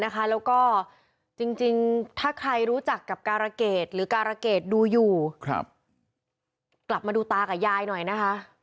กลับมาดูตากับยายหน่อยนะคะ